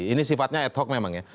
ini sifatnya ad hoc memang ya